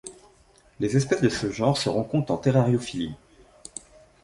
Les espèces de ce genre se rencontrent en terrariophilie.